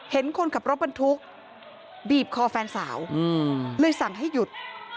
เห็นคนขับรถบรรทุกบีบคอแฟนสาวเลยสั่งให้หยุด